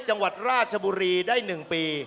จังหวัดราชบุรีได้๑ปี